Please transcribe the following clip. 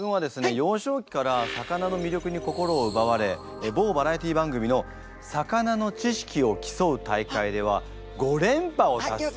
幼少期から魚の魅力に心をうばわれ某バラエティー番組のさかなの知識を競う大会では５連覇を達成。